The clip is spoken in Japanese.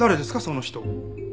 その人。